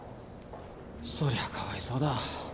そりゃかわいそうだ。